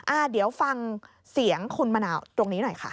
อ่าเดี๋ยวฟังเสียงคุณมะนาวตรงนี้หน่อยค่ะ